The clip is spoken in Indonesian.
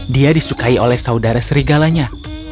dia disukai oleh saudara serigalanya